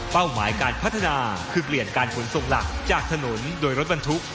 หมายการพัฒนาคือเปลี่ยนการขนส่งหลักจากถนนโดยรถบรรทุก